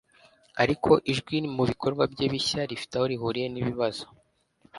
ariko ijwi mubikorwa bye bishya rifite aho rihuriye nibibazo